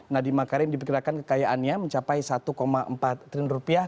nadiem makarim diperkirakan kekayaannya mencapai satu empat triliun rupiah